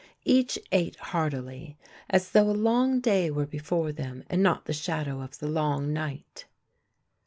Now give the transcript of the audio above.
Each ate heartily; as though a long day were before them and not the shadow of the Long Night.